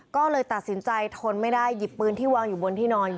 ก็เลยตัดสินใจทนไม่ได้หยิบปืนที่วางอยู่บนที่นอนอยู่